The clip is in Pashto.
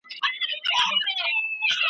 لمره هغه ابلیس چي تا به په ښکرونو کي وړي .